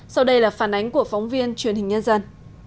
sau đây là phản ánh của phóng viên truyền hình nhân dân